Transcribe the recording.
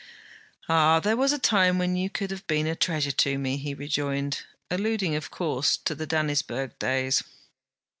'Ah, there was a time when you could have been a treasure to me,' he rejoined; alluding of course to the Dannisburgh days.